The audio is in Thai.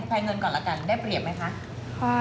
ภัยเงินก่อนละกันได้เปรียบไหมคะ